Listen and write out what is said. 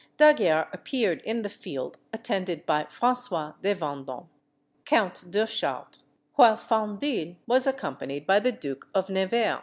D'Aguerre appeared in the field attended by François de Vendôme, Count de Chartres, while Fendille was accompanied by the Duke of Nevers.